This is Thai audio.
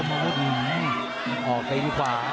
อ๋อเก้งที่ขวา